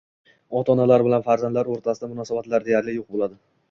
ota-onalar bilan farzandlar o‘rtasida munosabatlar deyarli yo‘q bo'ladi.